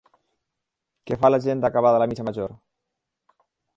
Què fa la gent acabada la missa major?